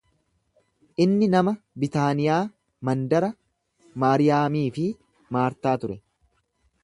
Inni nama Bitaaniyaa, mandara Maariyaamii fi Maartaa ture.